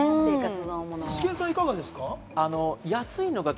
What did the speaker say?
イシケンさんはいかがですか？